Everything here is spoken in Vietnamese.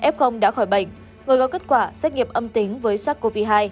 f đã khỏi bệnh người có kết quả xét nghiệm âm tính với sars cov hai